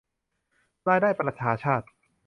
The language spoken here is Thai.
รายได้ประชาชาติ